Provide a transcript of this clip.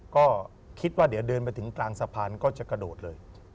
ก็คิดว่าเดี๋ยวเดินไปถึงกลางสะพานก็จะกระโดดเลย